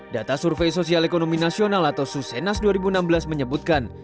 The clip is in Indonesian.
data survei sosial ekonomi nasional atau susenas dua ribu enam belas menyebutkan